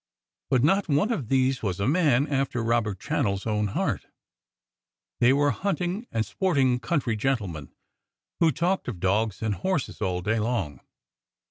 But not one of these was a man after Robert Channell's own heart. They were hunting and sporting country gentlemen, who talked of dogs and horses all day long.